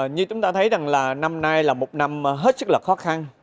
như chúng ta thấy rằng là năm nay là một năm hết sức là khó khăn